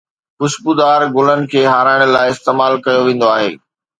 خوشبودار گلن کي هارائڻ لاءِ استعمال ڪيو ويندو آهي